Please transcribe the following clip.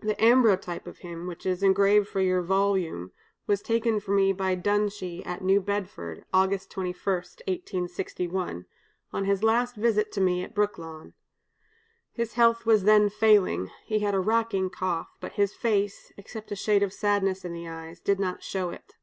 The 'ambrotype' of him, which is engraved for your volume, was taken for me by Dunshee, at New Bedford, August 21, 1861, on his last visit to me at Brooklawn. His health was then failing, he had a racking cough, but his face, except a shade of sadness in the eyes, did not show it.